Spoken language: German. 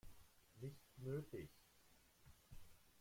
Nicht nötig.